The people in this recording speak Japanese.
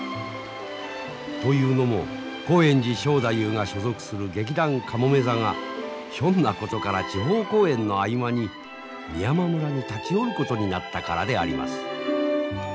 というのも興園寺正太夫が所属する劇団かもめ座がひょんなことから地方公演の合間に美山村に立ち寄ることになったからであります。